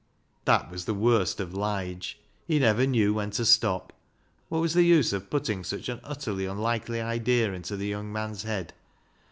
That was the worst of Lige, he never knew when to stop. What was the use of putting such an utterly unlikely idea into the young man's head.